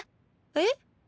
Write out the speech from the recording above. えっ？